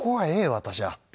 私は」って。